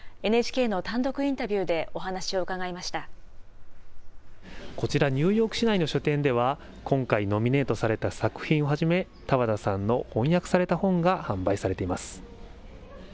ＮＨＫの単独インタビューでお話こちら、ニューヨーク市内の書店では、今回ノミネートされた作品をはじめ、多和田さんの翻訳された本が販売されています。